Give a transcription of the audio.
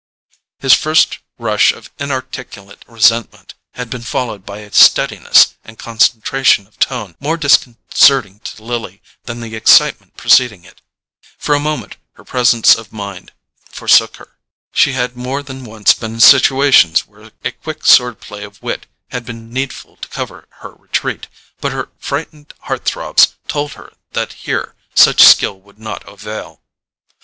His first rush of inarticulate resentment had been followed by a steadiness and concentration of tone more disconcerting to Lily than the excitement preceding it. For a moment her presence of mind forsook her. She had more than once been in situations where a quick sword play of wit had been needful to cover her retreat; but her frightened heart throbs told her that here such skill would not avail.